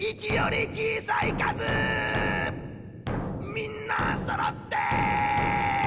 みんなそろって！